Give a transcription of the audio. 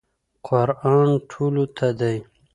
قرآن ټولو ته دی.